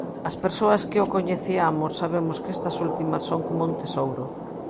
As persoas que o coñeciamos sabemos que estas últimas son como un tesouro.